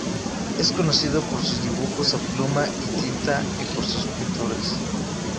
Es conocido por sus dibujos a pluma y tinta y por sus pinturas.